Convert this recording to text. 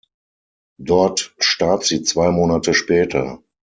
Dort starb sie zwei Monate später.